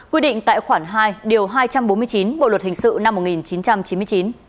quy định tại khoản hai điều hai trăm bốn mươi chín bộ luật hình sự năm một nghìn chín trăm chín mươi chín